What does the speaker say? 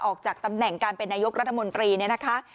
ออกจากตำแหน่งการเป็นนายกรัฐมนตรีเนี่ยนะคะ